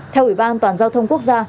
theo ủy ban an toàn giao thông quốc gia